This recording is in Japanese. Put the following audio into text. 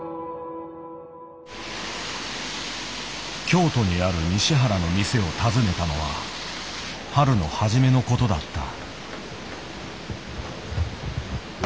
京都にある西原の店を訪ねたのは春の初めのことだった。